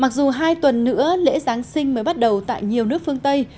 mặc dù hai tuần nữa lễ giáng sinh mới bắt đầu tại nhiều nước phương tây